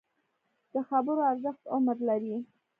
د خبرو ارزښت عمر لري